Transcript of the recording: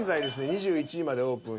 ２１位までオープンし